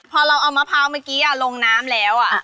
พอเราเอามะพร้าวเมื่อกี้ลงน้ำแล้ว